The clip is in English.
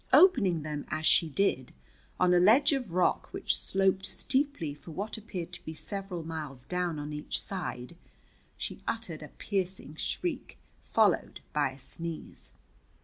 Opening them as she did on a ledge of rock which sloped steeply for what appeared to be several miles down on each side, she uttered a piercing shriek, followed by a sneeze.